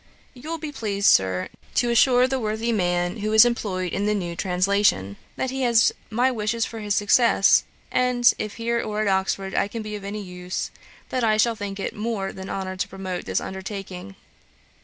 'You will be pleased, Sir, to assure the worthy man who is employed in the new translation, that he has my wishes for his success; and if here or at Oxford I can be of any use, that I shall think it more than honour to promote his undertaking.